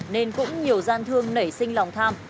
nên cũng nhiều gian thương nảy sinh lòng tham